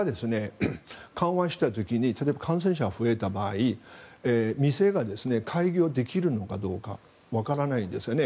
緩和した時に例えば、感染者が増えた場合店が開業できるのかどうかわからないですよね。